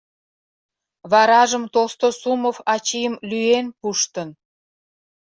Варажым Толстосумов ачийым лӱен пуштын...